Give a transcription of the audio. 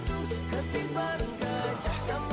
terima kasih atin